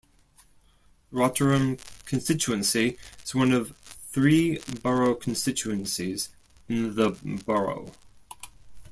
Rotherham constituency is one of three borough constituencies in the borough.